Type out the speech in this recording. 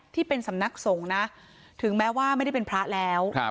ที่เป็นสำนักสงฆ์นะถึงแม้ว่าไม่ได้เป็นพระแล้ว